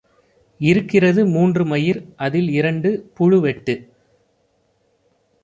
இருக்கிறது மூன்று மயிர் அதில் இரண்டு புழுவெட்டு.